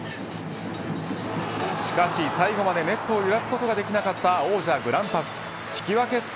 しかし、最後までネットを揺らすことができなかった王者グランパス引き分け